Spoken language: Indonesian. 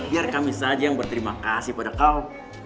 biar kami saja yang berterima kasih pada kau